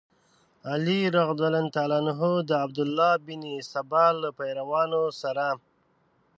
علي رض د عبدالله بن سبا له پیروانو سره.